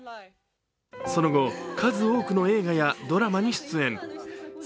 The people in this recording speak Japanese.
その後、数多くの映画やドラマに出演。